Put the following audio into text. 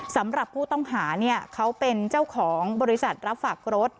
สำหรับผู้ต้องหาเนี่ยเขาเป็นเจ้าของบริษัทรับฝากรถ